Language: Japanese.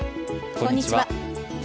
こんにちは。